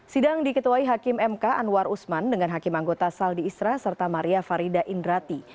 sidang diketuai hakim mk anwar usman dengan hakim anggota saldi isra serta maria farida indrati